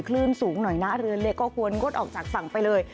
คลื่นสูงหน่อยนะเรือเล็กก็ควรงดออกจากฝั่งไปเลย